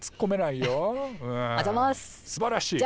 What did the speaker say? すばらしい。